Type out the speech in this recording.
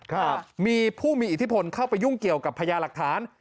ครับมีผู้มีอิทธิพลเข้าไปยุ่งเกี่ยวกับพญาหลักฐาน